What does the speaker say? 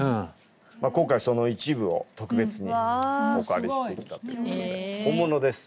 今回その一部を特別にお借りしてきたということで本物です。